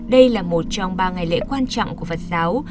đây là một trong ba ngày lễ quan trọng của phật giáo